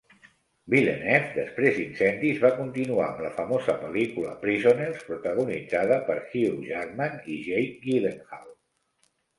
Villeneuve, després "Incendis", va continuar amb la famosa pel·lícula "Presoners", protagonitzada per Hugh Jackman i Jake Gyllenhaal.